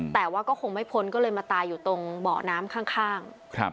แต่ว่าก็คงไม่พ้นก็เลยมาตายอยู่ตรงเบาะน้ำข้าง